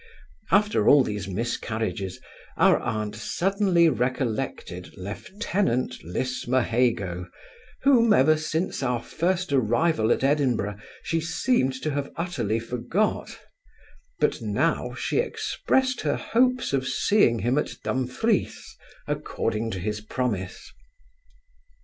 After all these miscarriages, our aunt suddenly recollected lieutenant Lismahago, whom, ever since our first arrival at Edinburgh, she seemed to have utterly forgot; but now she expressed her hopes of seeing him at Dumfries, according to his promise.